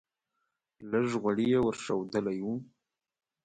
لږ غوړي یې ور ښودلی و.